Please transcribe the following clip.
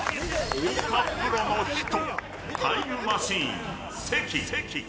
太田プロの人タイムマシーン関。